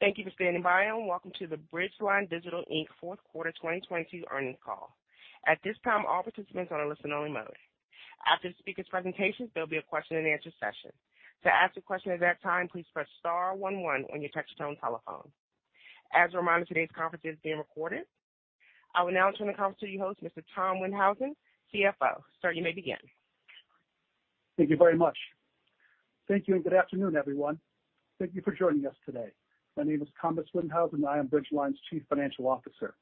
Thank you for standing by, welcome to the Bridgeline Digital, Inc. Q4 2022 earnings call. At this time, all participants are in listen-only mode. After the speaker's presentation, there'll be a question-and-answer session. To ask a question at that time, please press star one one on your touch-tone telephone. As a reminder, today's conference is being recorded. I will now turn the call to your host, Mr. Thomas Windhausen, CFO. Sir, you may begin. Thank you very much. Thank you, and good afternoon, everyone. Thank you for joining us today. My name is Thomas Windhausen. I am Bridgeline's Chief Financial Officer.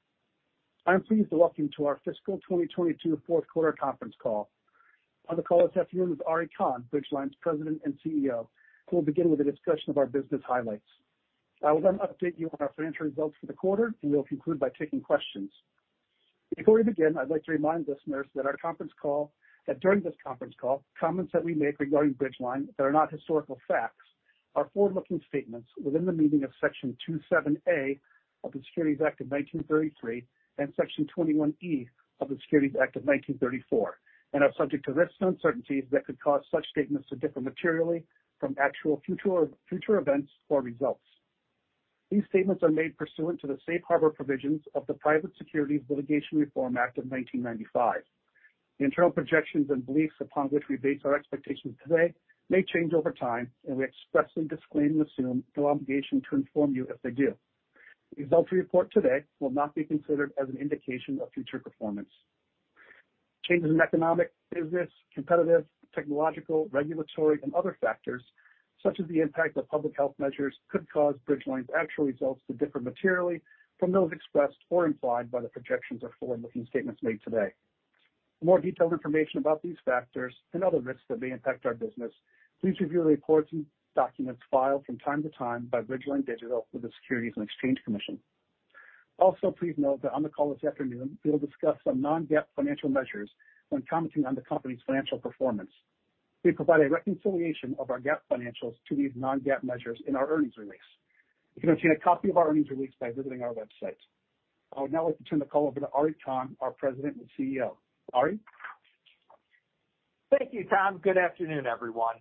I am pleased to welcome you to our fiscal 2022 Q4 conference call. On the call this afternoon is Ari Kahn, Bridgeline's President and CEO, who will begin with a discussion of our business highlights. I will then update you on our financial results for the quarter, and we'll conclude by taking questions. Before we begin, I'd like to remind listeners that during this conference call, comments that we make regarding Bridgeline that are not historical facts are forward-looking statements within the meaning of Section 27A of the Securities Act of 1933 and Section 21E of the Securities Exchange Act of 1934, and are subject to risks and uncertainties that could cause such statements to differ materially from actual future events or results. These statements are made pursuant to the safe harbor provisions of the Private Securities Litigation Reform Act of 1995. The internal projections and beliefs upon which we base our expectations today may change over time, and we expressly disclaim and assume no obligation to inform you if they do. The results we report today will not be considered as an indication of future performance. Changes in economic, business, competitive, technological, regulatory, and other factors, such as the impact of public health measures, could cause Bridgeline's actual results to differ materially from those expressed or implied by the projections or forward-looking statements made today. For more detailed information about these factors and other risks that may impact our business, please review the reports and documents filed from time to time by Bridgeline Digital with the Securities and Exchange Commission. Also, please note that on the call this afternoon, we'll discuss some non-GAAP financial measures when commenting on the company's financial performance. We provide a reconciliation of our GAAP financials to these non-GAAP measures in our earnings release. You can obtain a copy of our earnings release by visiting our website. I would now like to turn the call over to Ari Kahn, our President and CEO. Ari? Thank you, Tom. Good afternoon, everyone.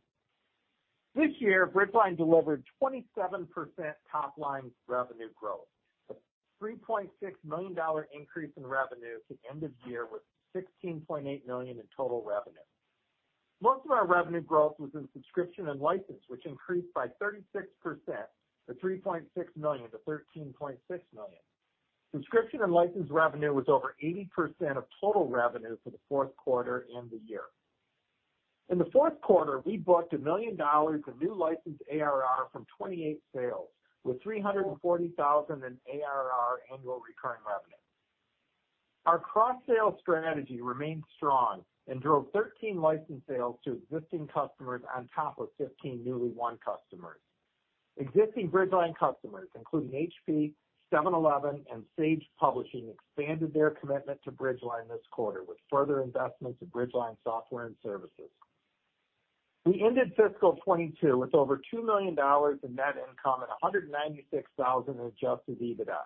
This year, Bridgeline delivered 27% top-line revenue growth, a $3.6 million increase in revenue to end of year with $16.8 million in total revenue. Most of our revenue growth was in subscription and license, which increased by 36% to $3.6 million to $13.6 million. Subscription and license revenue was over 80% of total revenue for the Q4 and the year. In the Q4, we booked $1 million of new licensed ARR from 28 sales, with $340,000 in ARR annual recurring revenue. Our cross-sale strategy remained strong and drove 13 license sales to existing customers on top of 15 newly won customers. Existing Bridgeline customers, including HP, 7-Eleven, and Sage Publishing, expanded their commitment to Bridgeline this quarter with further investments in Bridgeline software and services. We ended fiscal 22 with over $2 million in net income and $196,000 in adjusted EBITDA,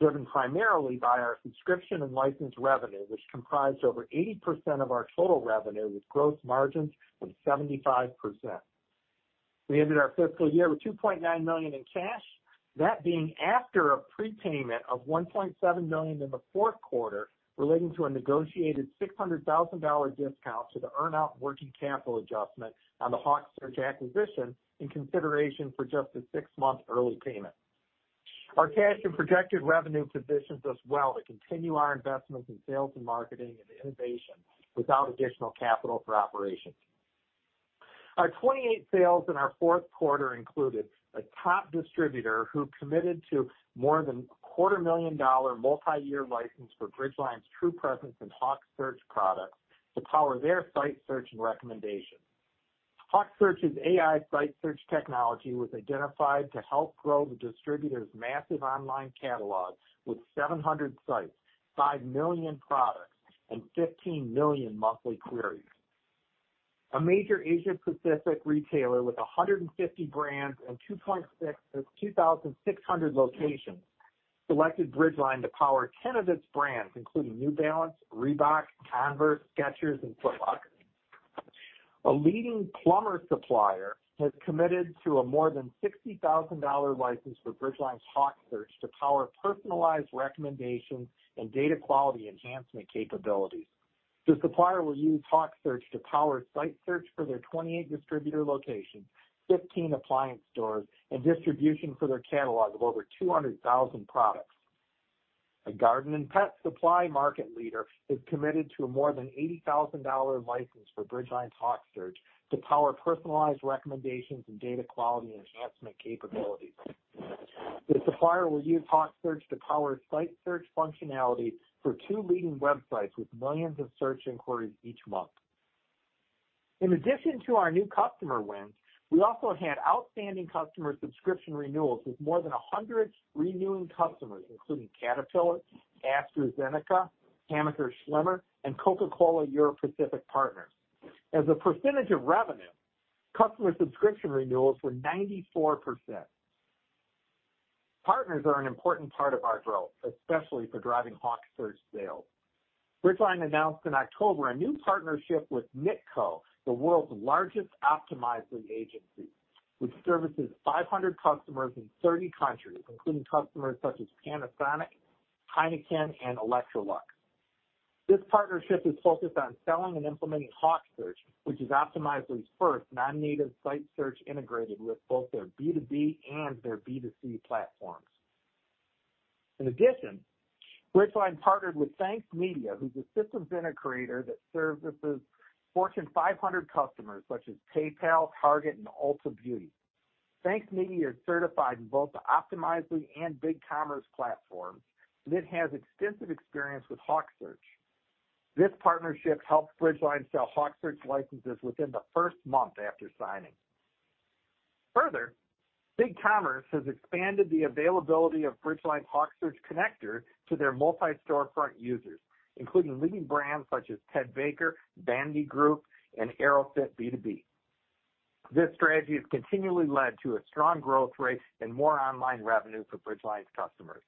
driven primarily by our subscription and license revenue, which comprised over 80% of our total revenue, with gross margins of 75%. We ended our fiscal year with $2.9 million in cash, that being after a prepayment of $1.7 million in the Q4 relating to a negotiated $600,000 discount to the earn-out working capital adjustment on the HawkSearch acquisition in consideration for just a six-month early payment. Our cash and projected revenue positions us well to continue our investments in sales and marketing and innovation without additional capital for operations. Our 28 sales in our Q4 included a top distributor who committed to more than a quarter million dollar multiyear license for Bridgeline's TruPresence and HawkSearch products to power their site search and recommendation. HawkSearch's AI site search technology was identified to help grow the distributor's massive online catalog with 700 sites, 5 million products, and 15 million monthly queries. A major Asia Pacific retailer with 150 brands and 2,600 locations selected Bridgeline to power 10 of its brands, including New Balance, Reebok, Converse, Skechers, and Foot Locker. A leading plumber supplier has committed to a more than $60,000 license for Bridgeline's HawkSearch to power personalized recommendations and data quality enhancement capabilities. The supplier will use HawkSearch to power site search for their 28 distributor locations, 15 appliance stores, and distribution for their catalog of over 200,000 products. A garden and pet supply market leader has committed to a more than $80,000 license for Bridgeline HawkSearch to power personalized recommendations and data quality enhancement capabilities. The supplier will use HawkSearch to power site search functionality for two leading websites with millions of search inquiries each month. In addition to our new customer wins, we also had outstanding customer subscription renewals with more than 100 renewing customers, including Caterpillar, AstraZeneca, Hammacher Schlemmer, and Coca-Cola Europacific Partners. As a percentage of revenue, customer subscription renewals were 94%. Partners are an important part of our growth, especially for driving HawkSearch sales. Bridgeline announced in October a new partnership with Niteco, the world's largest Optimizely agency, which services 500 customers in 30 countries, including customers such as Panasonic, Heineken, and Electrolux. This partnership is focused on selling and implementing HawkSearch, which is Optimizely's first non-native site search integrated with both their B2B and their B2C platforms. In addition, Bridgeline partnered with Thanx Media, who's a systems integrator that services Fortune 500 customers such as PayPal, Target, and Ulta Beauty. Thanx Media is certified in both the Optimizely and BigCommerce platforms and it has extensive experience with HawkSearch. This partnership helped Bridgeline sell HawkSearch licenses within the first month after signing. Further, BigCommerce has expanded the availability of Bridgeline HawkSearch connector to their multi-storefront users, including leading brands such as Ted Baker, Vandy Group, and AeroFit B2B. This strategy has continually led to a strong growth rate and more online revenue for Bridgeline's customers.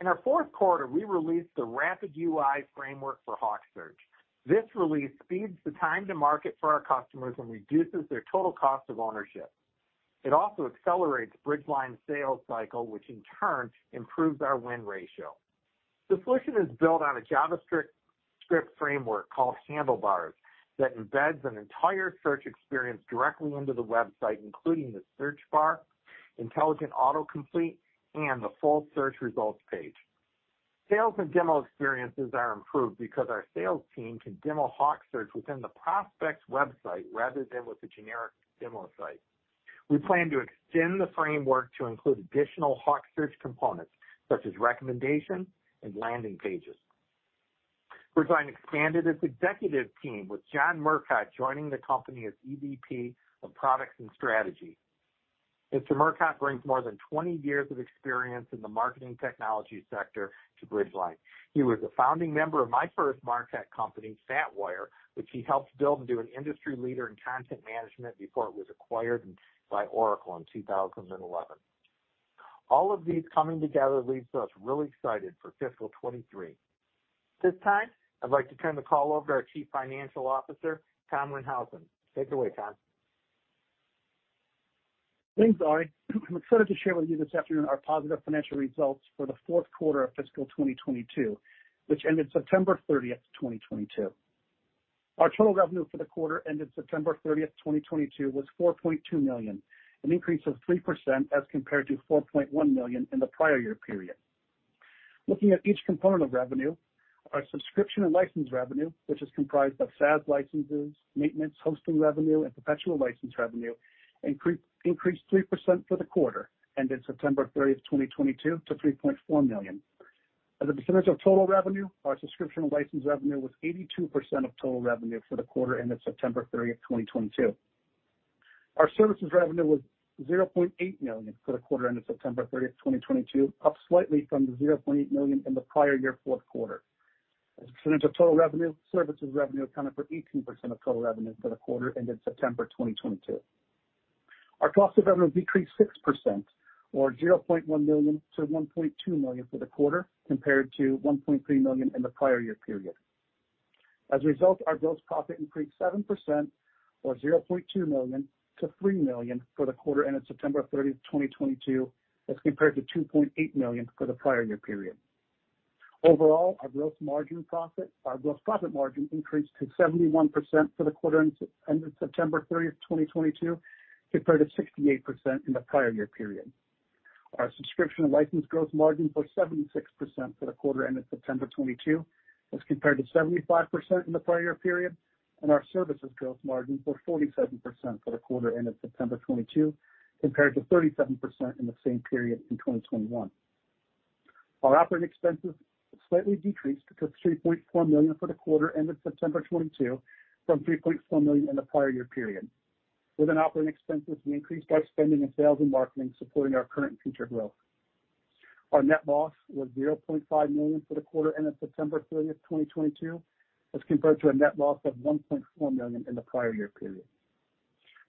In our Q4, we released the Rapid UI framework for HawkSearch. This release speeds the time to market for our customers and reduces their total cost of ownership. It also accelerates Bridgeline's sales cycle, which in turn improves our win ratio. The solution is built on a JavaScript script framework called Handlebars that embeds an entire search experience directly into the website, including the search bar, intelligent auto-complete, and the full search results page. Sales and demo experiences are improved because our sales team can demo HawkSearch within the prospect's website rather than with the generic demo site. We plan to extend the framework to include additional HawkSearch components such as recommendation and landing pages. Bridgeline expanded its executive team with John Murcott joining the company as EVP of Products and Strategy. Mr. Murcott brings more than 20 years of experience in the MarTech sector to Bridgeline. He was a founding member of my first MarTech company, FatWire, which he helped build into an industry leader in content management before it was acquired by Oracle in 2011. All of these coming together leaves us really excited for fiscal 2023. At this time, I'd like to turn the call over to our Chief Financial Officer, Cameron Housen. Take it away, Cam. Thanks, Ari. I'm excited to share with you this afternoon our positive financial results for the Q4 of fiscal 2022, which ended September 30th, 2022. Our total revenue for the quarter ended September 30th, 2022, was $4.2 million, an increase of 3% as compared to $4.1 million in the prior year period. Looking at each component of revenue, our subscription and license revenue, which is comprised of SaaS licenses, maintenance, hosting revenue, and perpetual license revenue, increased 3% for the quarter, ended September 30th, 2022, to $3.4 million. As a percentage of total revenue, our subscription and license revenue was 82% of total revenue for the quarter ended September 30th, 2022. Our services revenue was $0.8 million for the quarter ended September 30th, 2022, up slightly from the $0.8 million in the prior year Q4. As a percentage of total revenue, services revenue accounted for 18% of total revenue for the quarter ended September 2022. Our cost of revenue decreased 6% or $0.1 million to $1.2 million for the quarter, compared to $1.3 million in the prior year period. As a result, our gross profit increased 7% or $0.2 million to $3 million for the quarter ended September 30th, 2022, as compared to $2.8 million for the prior year period. Overall, our gross profit margin increased to 71% for the quarter ended September 30, 2022, compared to 68% in the prior year period. Our subscription and license gross margin was 76% for the quarter ended September 2022, as compared to 75% in the prior year period. Our services gross margin were 47% for the quarter ended September 2022, compared to 37% in the same period in 2021. Our operating expenses slightly decreased to $3.4 million for the quarter ended September 2022 from $3.4 million in the prior year period. Within operating expenses, we increased our spending in sales and marketing, supporting our current and future growth. Our net loss was $0.5 million for the quarter ended September 30th, 2022, as compared to a net loss of $1.4 million in the prior year period.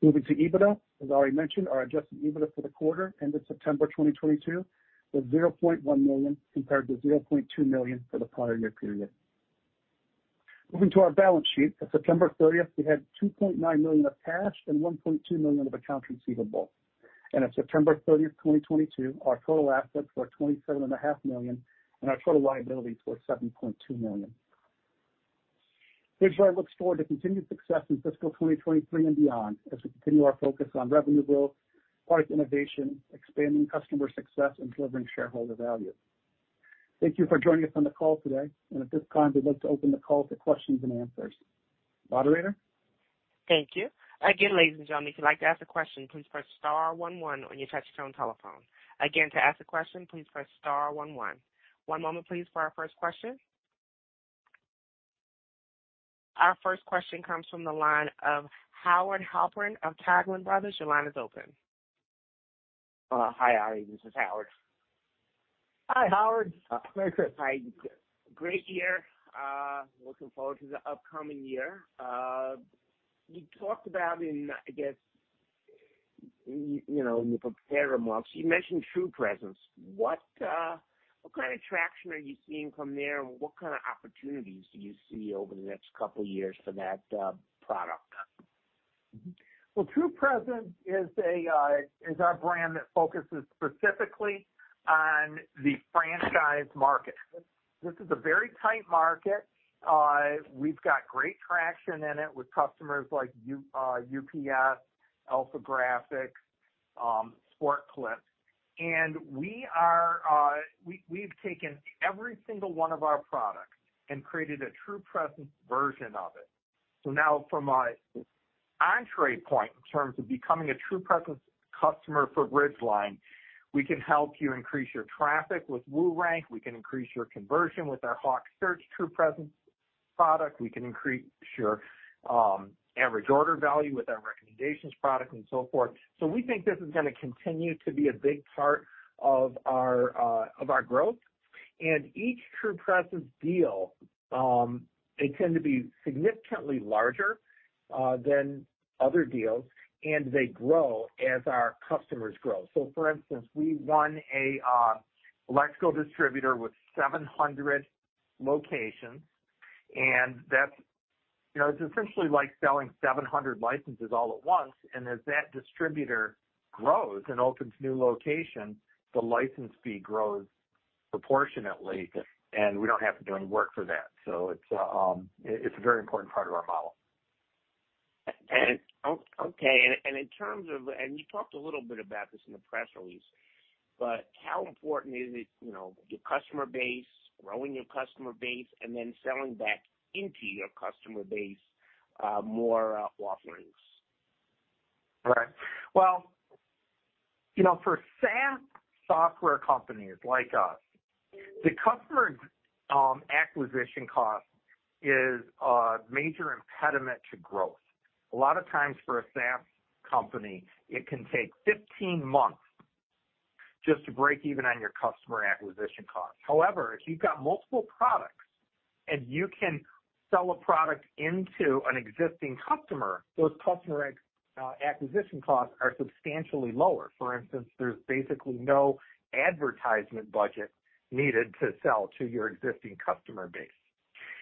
Moving to EBITDA, as Ari mentioned, our adjusted EBITDA for the quarter ended September 2022 was $0.1 million compared to $0.2 million for the prior year period. Moving to our balance sheet, as of September 30th, we had $2.9 million of cash and $1.2 million of accounts receivable. As of September 30th, 2022, our total assets were twenty-seven and a half million, and our total liabilities were $7.2 million. Bridgeline looks forward to continued success in fiscal 2023 and beyond as we continue our focus on revenue growth, product innovation, expanding customer success, and delivering shareholder value. Thank you for joining us on the call today. At this time, we'd like to open the call to questions and answers. Moderator? Thank you. Again, ladies and gentlemen, if you'd like to ask a question, please press star one one on your touchtone telephone. Again, to ask a question, please press star one one. One moment please for our first question. Our first question comes from the line of Howard Halpern of Taglich Brothers. Your line is open. Hi, Ari. This is Howard. Hi, Howard. Hi, Chris. Hi. Great year. Looking forward to the upcoming year. You talked about in, I guess, you know, in your prepared remarks, you mentioned TruPresence. What kind of traction are you seeing from there? What kind of opportunities do you see over the next couple of years for that product? Well, TruPresence is our brand that focuses specifically on the franchise market. This is a very tight market. We've got great traction in it with customers like UPS, AlphaGraphics, Sport Clips. We've taken every single one of our products and created a TruPresence version of it. Now from an entree point in terms of becoming a TruPresence customer for Bridgeline, we can help you increase your traffic with WooRank. We can increase your conversion with our HawkSearch TruPresence product. We can increase your average order value with our recommendations product and so forth. We think this is gonna continue to be a big part of our growth. Each TruPresence deal, they tend to be significantly larger than other deals, and they grow as our customers grow. For instance, we won an electrical distributor with 700 locations, and that's, you know, it's essentially like selling 700 licenses all at once. As that distributor grows and opens new locations, the license fee grows proportionately, and we don't have to do any work for that. It's a very important part of our model. Okay. In terms of, and you talked a little bit about this in the press release, how important is it, you know, your customer base, growing your customer base, and then selling back into your customer base, more offerings? Well, you know, for SaaS software companies like us, the customer acquisition cost is a major impediment to growth. A lot of times for a SaaS company, it can take 15 months just to break even on your customer acquisition costs. However, if you've got multiple products and you can sell a product into an existing customer, those customer acquisition costs are substantially lower. For instance, there's basically no advertisement budget needed to sell to your existing customer base.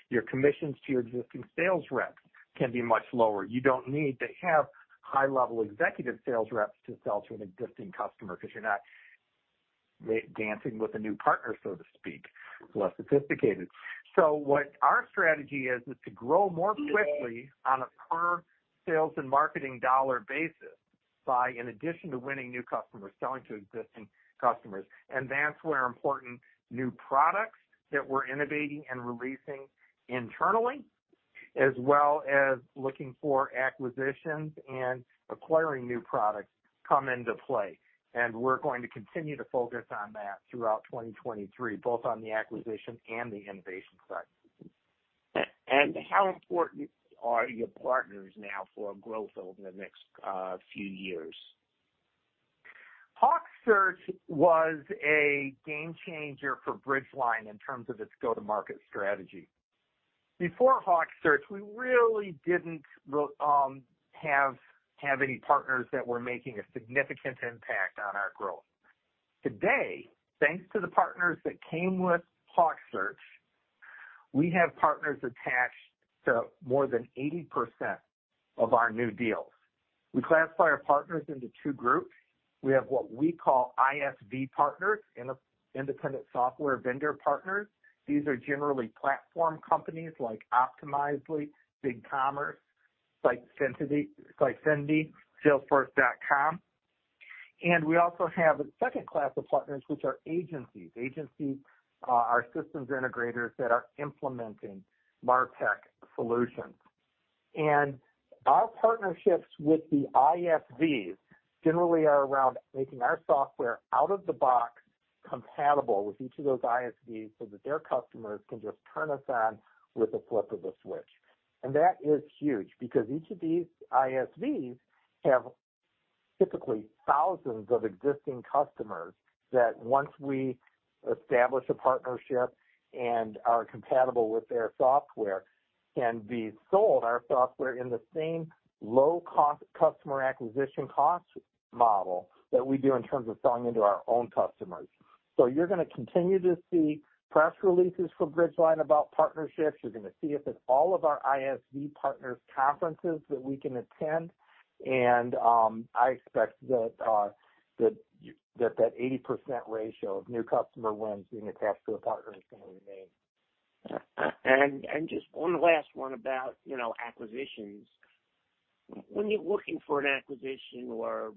Your commissions to your existing sales reps can be much lower. You don't need to have high-level executive sales reps to sell to an existing customer because you're not dancing with a new partner, so to speak. It's less sophisticated. What our strategy is to grow more quickly on a per sales and marketing dollar basis by in addition to winning new customers, selling to existing customers. That's where important new products that we're innovating and releasing internally, as well as looking for acquisitions and acquiring new products come into play. We're going to continue to focus on that throughout 2023, both on the acquisition and the innovation side. How important are your partners now for growth over the next few years? HawkSearch was a game changer for Bridgeline in terms of its go-to-market strategy. Before HawkSearch, we really didn't have any partners that were making a significant impact on our growth. Today, thanks to the partners that came with HawkSearch, we have partners attached to more than 80% of our new deals. We classify our partners into two groups. We have what we call ISV partners, independent software vendor partners. These are generally platform companies like Optimizely, BigCommerce, Sitecore, Salesforce. We also have a second class of partners, which are agencies. Agencies are systems integrators that are implementing MarTech solutions. Our partnerships with the ISVs generally are around making our software out-of-the-box compatible with each of those ISVs so that their customers can just turn us on with a flip of a switch. That is huge because each of these ISVs have typically thousands of existing customers that once we establish a partnership and are compatible with their software, can be sold our software in the same low-cost customer acquisition cost model that we do in terms of selling into our own customers. You're gonna continue to see press releases from Bridgeline about partnerships. You're gonna see us at all of our ISV partners conferences that we can attend. I expect that 80% ratio of new customer wins being attached to a partner is gonna remain. Just one last one about, you know, acquisitions. When you're looking for an acquisition or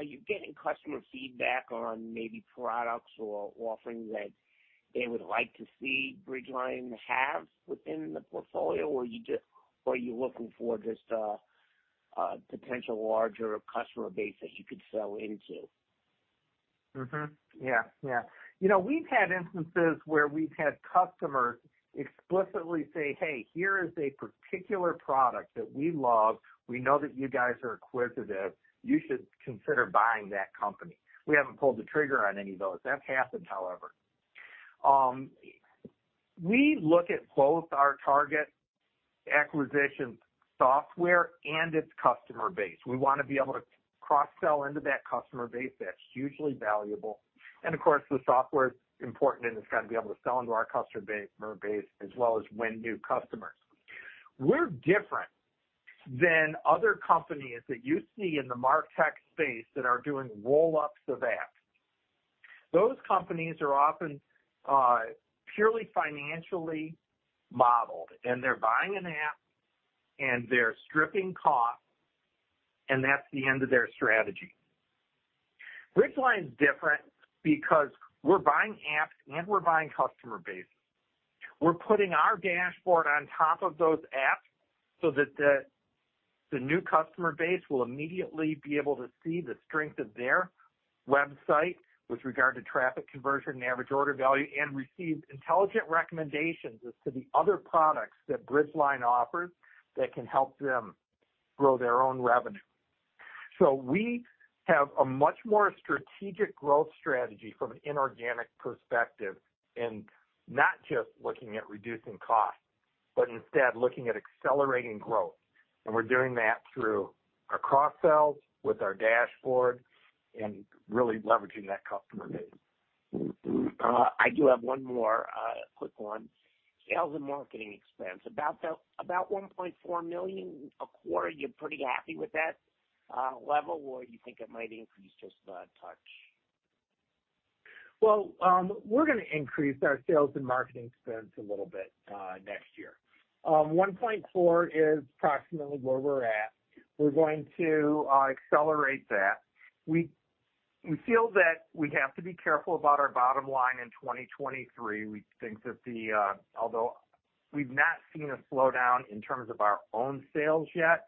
are you getting customer feedback on maybe products or offerings that they would like to see Bridgeline Digital have within the portfolio? Are you looking for just a potential larger customer base that you could sell into? Mm-hmm. Yeah. Yeah. You know, we've had instances where we've had customers explicitly say, "Hey, here is a particular product that we love. We know that you guys are acquisitive. You should consider buying that company." We haven't pulled the trigger on any of those. That's happened, however. We look at both our target acquisition software and its customer base. We wanna be able to cross-sell into that customer base. That's hugely valuable. Of course, the software is important, and it's gotta be able to sell into our customer base as well as win new customers. We're different than other companies that you see in the MarTech space that are doing roll-ups of apps. Those companies are often purely financially modeled, and they're buying an app, and they're stripping costs, and that's the end of their strategy. Bridgeline is different because we're buying apps and we're buying customer bases. We're putting our dashboard on top of those apps so that the new customer base will immediately be able to see the strength of their website with regard to traffic conversion and average order value, and receive intelligent recommendations as to the other products that Bridgeline offers that can help them grow their own revenue. We have a much more strategic growth strategy from an inorganic perspective in not just looking at reducing costs, but instead looking at accelerating growth. We're doing that through our cross-sells with our dashboard and really leveraging that customer base. I do have one more quick one. Sales and marketing expense, about $1.4 million a quarter. You're pretty happy with that level, or you think it might increase just a touch? We're gonna increase our sales and marketing expense a little bit next year. 1.4 is approximately where we're at. We're going to accelerate that. We feel that we have to be careful about our bottom line in 2023. We think that the although we've not seen a slowdown in terms of our own sales yet,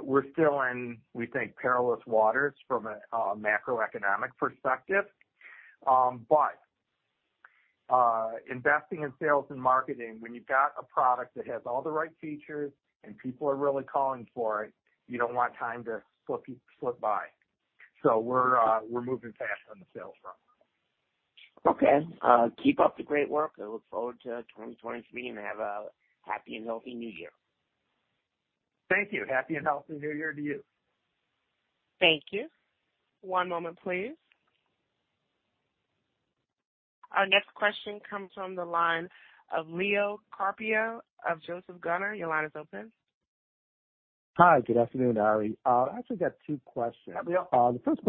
we're still in, we think, perilous waters from a macroeconomic perspective. Investing in sales and marketing, when you've got a product that has all the right features and people are really calling for it, you don't want time to slip by. We're moving fast on the sales front. Okay. Keep up the great work. I look forward to 2023, and have a happy and healthy new year. Thank you. Happy and healthy new year to you. Thank you. One moment, please. Our next question comes from the line of Leo Carpio of Joseph Gunnar. Your line is open. Hi. Good afternoon, Ari. I actually got 2 questions. Hi, Leo. Hi. The first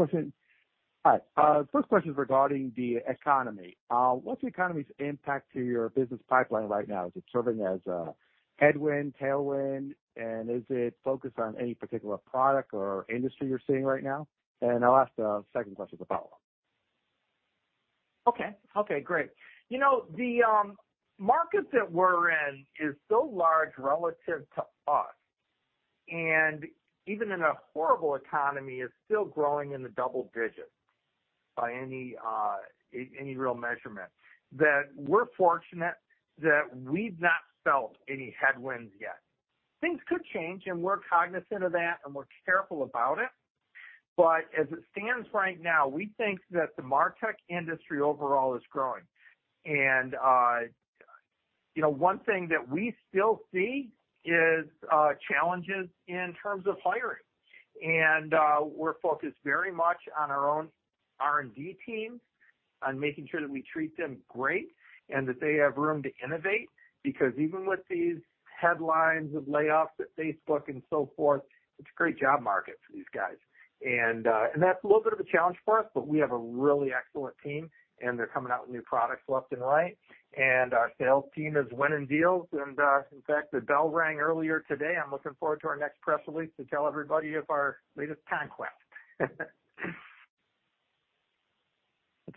question is regarding the economy. What's the economy's impact to your business pipeline right now? Is it serving as a headwind, tailwind, and is it focused on any particular product or industry you're seeing right now? I'll ask the second question as a follow-up. Okay, great. You know, the market that we're in is so large relative to us, and even in a horrible economy, is still growing in the double digits by any real measurement, that we're fortunate that we've not felt any headwinds yet. Things could change, and we're cognizant of that and we're careful about it. As it stands right now, we think that the MarTech industry overall is growing. You know, one thing that we still see is challenges in terms of hiring. We're focused very much on our own R&D team on making sure that we treat them great and that they have room to innovate, because even with these headlines of layoffs at Facebook and so forth, it's a great job market for these guys. That's a little bit of a challenge for us, but we have a really excellent team. They're coming out with new products left and right. Our sales team is winning deals. In fact, the bell rang earlier today. I'm looking forward to our next press release to tell everybody of our latest conquest.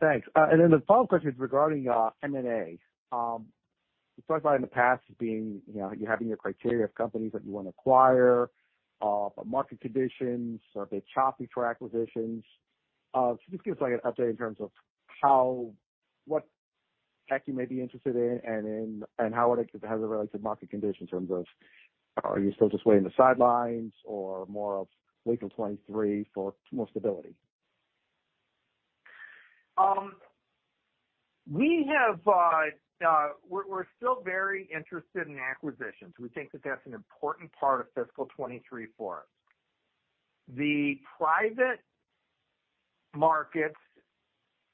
Thanks. The follow-up question is regarding M&A. You talked about in the past being, you know, you having your criteria of companies that you wanna acquire, market conditions, are a bit choppy for acquisitions. Just give us, like, an update in terms of how what tech you may be interested in and how it has related to market conditions in terms of, are you still just waiting the sidelines or more of wait 'til 2023 for more stability? We're still very interested in acquisitions. We think that that's an important part of FY '23 for us. The private markets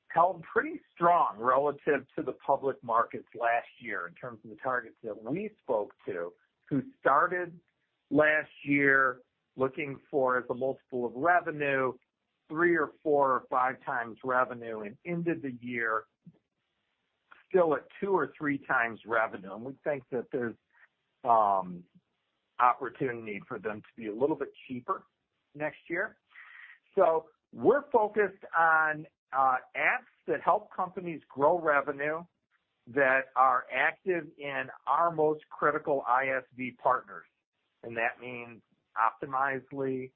held pretty strong relative to the public markets last year in terms of the targets that we spoke to, who started last year looking for as a multiple of revenue 3 or 4 or 5 times revenue, and ended the year still at 2 or 3 times revenue. We think that there's opportunity for them to be a little bit cheaper next year. We're focused on apps that help companies grow revenue that are active in our most critical ISV partners. That means Optimizely,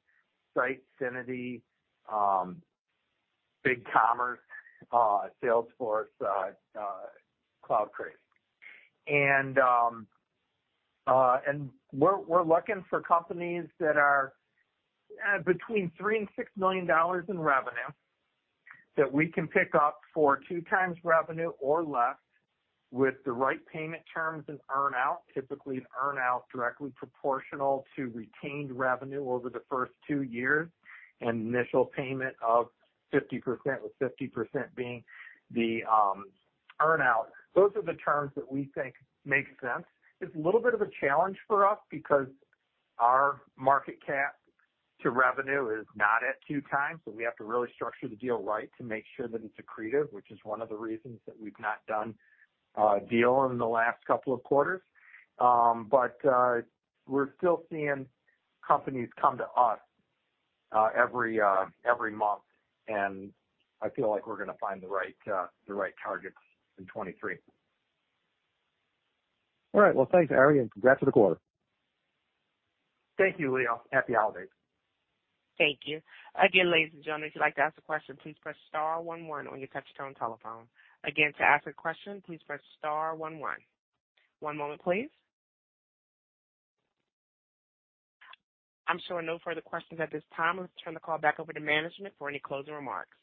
Sitefinity, BigCommerce, Salesforce, CloudCraze. We're looking for companies that are between $3 million to $6 million in revenue that we can pick up for 2x revenue or less with the right payment terms and earn-out. Typically, an earn-out directly proportional to retained revenue over the first two years, and initial payment of 50%, with 50% being the earn-out. Those are the terms that we think make sense. It's a little bit of a challenge for us because our market cap to revenue is not at 2x, so we have to really structure the deal right to make sure that it's accretive, which is one of the reasons that we've not done a deal in the last couple of quarters. We're still seeing companies come to us, every month, and I feel like we're gonna find the right, the right targets in 2023. All right. Well, thanks, Ari, and congrats on the quarter. Thank you, Leo. Happy holidays. Thank you. Again, ladies and gentlemen, if you'd like to ask a question, please press star one one on your touchtone telephone. Again, to ask a question, please press star one one. One moment, please. I'm showing no further questions at this time. Let's turn the call back over to management for any closing remarks.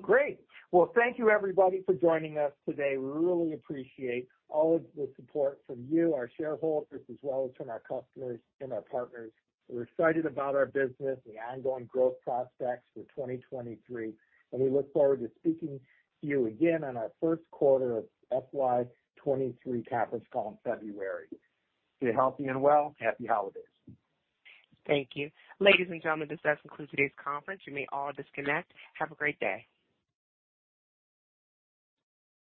Great. Well, thank you everybody for joining us today. We really appreciate all of the support from you, our shareholders, as well as from our customers and our partners. We're excited about our business and the ongoing growth prospects for 2023, and we look forward to speaking to you again on our Q1 of FY '23 conference call in February. Stay healthy and well. Happy holidays. Thank you. Ladies and gentlemen, this does conclude today's conference. You may all disconnect. Have a great day.